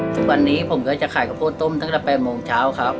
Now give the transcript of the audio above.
ทุกวันนี้ผมก็จะขายข้าวโพดต้มตั้งแต่๘โมงเช้าครับ